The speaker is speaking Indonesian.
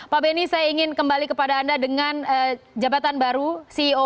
pak benny saya ingin kembali kepada anda dengan jabatan baru ceo